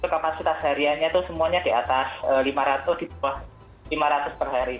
kapasitas hariannya itu semuanya di atas lima ratus di bawah lima ratus per hari